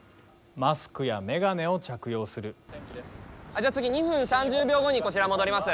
じゃあ次２分３０秒後にこちら戻ります。